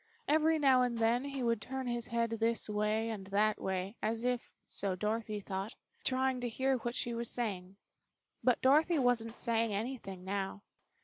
Every now and then he would turn his head this way and that way, as if, so Dorothy thought, trying to hear what she was saying. But Dorothy wasn't saying anything now.